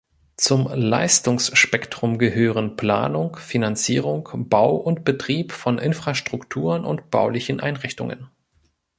Zum Leistungsspektrum gehören Planung, Finanzierung, Bau und Betrieb von Infrastrukturen und baulichen Einrichtungen.